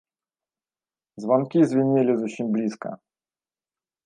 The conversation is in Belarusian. Званкі звінелі зусім блізка.